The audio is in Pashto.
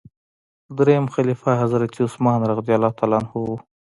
دریم خلیفه حضرت عثمان رض و.